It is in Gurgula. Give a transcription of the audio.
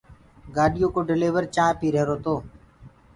گآڏيو ڪوَ ڊليور چآنه پيٚ هيرو تو